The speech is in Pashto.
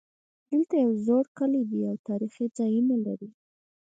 دلته یو زوړ کلی ده او تاریخي ځایونه لري